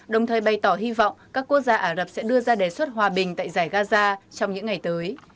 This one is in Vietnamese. đồng thời bày tỏ hy vọng các quốc gia ả rập sẽ đưa ra đề xuất hòa bình tại giải gaza trong những ngày tới